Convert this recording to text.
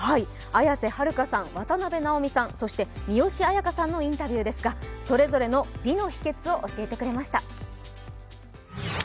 綾瀬はるかさん、渡辺直美さん、そして三吉彩花さんのインタビューですがそれぞれの美の秘訣を教えてくれました。